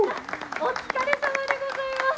お疲れさまでございます。